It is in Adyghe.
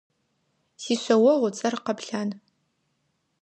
Сишъэогъу ыцӏэр Къэплъан.